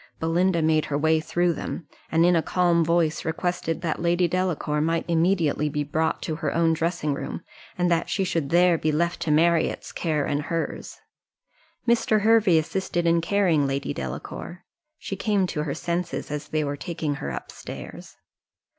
Belinda made her way through them, and, in a calm voice, requested that Lady Delacour might immediately be brought to her own dressing room, and that she should there be left to Marriott's care and hers. Mr. Hervey assisted in carrying Lady Delacour she came to her senses as they were taking her up stairs.